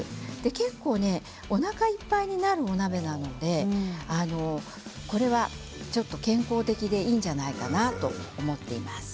結構おなかいっぱいになるお鍋なのでこれはちょっと健康的でいいんじゃないかなと思っています。